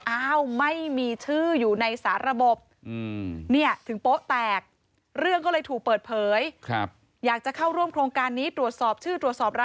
อ้าวไม่มีชื่ออยู่ในศาสตร์ระบบ